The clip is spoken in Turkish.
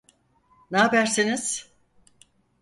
N'abersiniz?